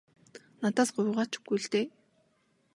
Надаас гуйгаа ч үгүй л дээ.